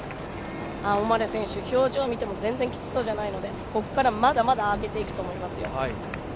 オマレ選手、表情を見ても全然きつそうじゃないのでここからまだまだ上げていくと思いますよ。